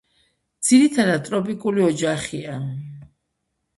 ძირითადად ტროპიკული ოჯახია.